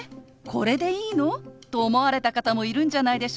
これでいいの？」と思われた方もいるんじゃないでしょうか。